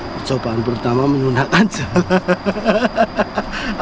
percobaan pertama menggunakan jala